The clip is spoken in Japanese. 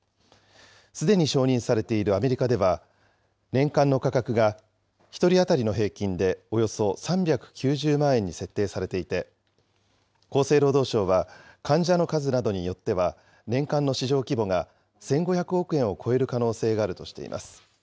すでに承認されているアメリカでは、年間の価格が１人当たりの平均でおよそ３９０万円に設定されていて、厚生労働省は、患者の数などによっては、年間の市場規模が１５００億円を超える可能性があるとしています。